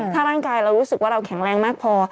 ถ้าร่างกายเรารู้สึกว่าเราแข็งแรงมากพอ